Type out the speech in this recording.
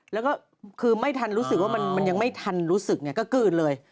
แล้วก็คือไม่ทันรู้สึกว่ามันยังไม่ทันรู้สึกเนี่ยก็กลืนเลย